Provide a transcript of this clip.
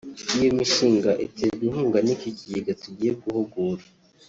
iyo mishinga iterwa inkunga n’icyo kigega tugiye guhugura